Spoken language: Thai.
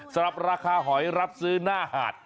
สำหรับราคาหอยรับซื้อหน้าหาด